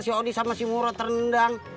si odi sama si murad rendang